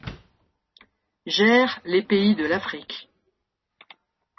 Gère les pays de l'Afrique.